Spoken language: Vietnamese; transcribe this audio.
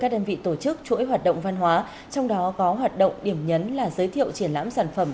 đã bị tổ chức chuỗi hoạt động văn hóa trong đó có hoạt động điểm nhấn là giới thiệu triển lãm sản phẩm